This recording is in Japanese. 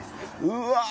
うわ！